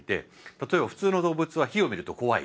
例えば普通の動物は火を見ると怖い。